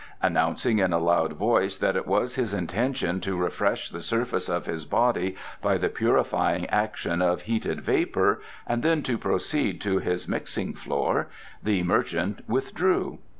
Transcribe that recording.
Announcing in a loud voice that it was his intention to refresh the surface of his body by the purifying action of heated vapour, and then to proceed to his mixing floor, the merchant withdrew.